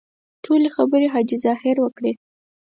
ټولې خبرې حاجي ظاهر وکړې.